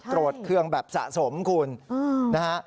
โรดเครื่องแบบสะสมคุณนะฮะ